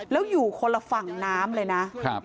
แล้วอยู่คนละฝั่งน้ำเลยนะ